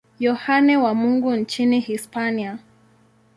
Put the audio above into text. Yohane wa Mungu nchini Hispania.